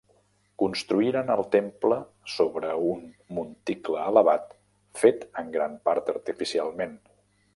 Construïren el temple sobre un monticle elevat fet en gran part artificialment.